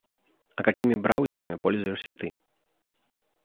А какими браузерами пользуешься ты?